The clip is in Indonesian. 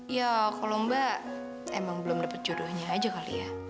ya kalau mbak emang belum dapat juruhnya aja kali ya